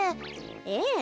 ええ。